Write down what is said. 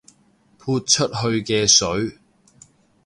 潑出去嘅水